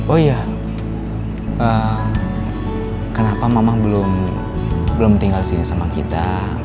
oh ya kenapa mama belum tinggal sini sama kita